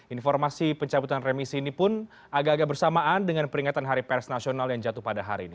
informasi pencabutan remisi ini pun agak agak bersamaan dengan peringatan hari pers nasional yang jatuh pada hari ini